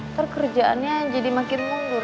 ntar kerjaannya jadi makin mundur